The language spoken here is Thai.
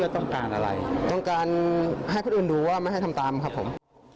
ต้องการให้คนอื่นรู้ว่าไม่ให้ทำตามครับผม